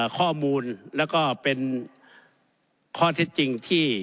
ข้อมูลแล้วก็เป็นข้อเท็จจริงที่